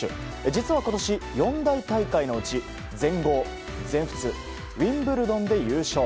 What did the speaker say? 実は今年、四大大会のうち全豪、全仏ウィンブルドンで優勝。